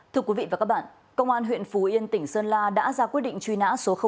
thưa quý vị và các bạn công an huyện phú yên tỉnh sơn la đã ra quyết định truy nã số chín